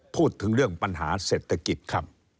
พูดถึงเรื่องปัญหาเศรษฐกิจครับ